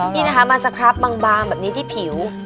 นี่นะคะมาสครับบางแบบนี้ที่ผิว